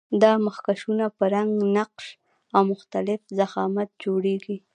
دا مخکشونه په رنګ، نقش او مختلف ضخامت جوړیږي.